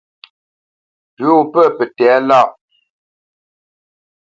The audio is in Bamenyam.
Pʉ̌ wo pə̂ pə tɛ̌lâʼ lâ.